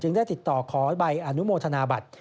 ได้ติดต่อขอใบอนุโมทนาบัตร